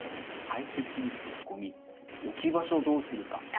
排せつ物やごみ置き場所をどうするか。